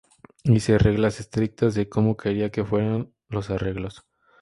Hice reglas estrictas de como quería que fueran los arreglos.